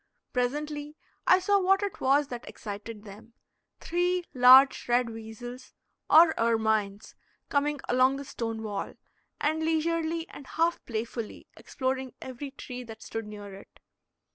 Presently I saw what it was that excited them three large red weasels, or ermines coming along the stone wall, and leisurely and half playfully exploring every tree that stood near it.